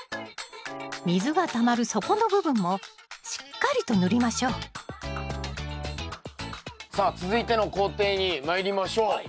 水がたまる底の部分もしっかりと塗りましょうさあ続いての工程にまいりましょう。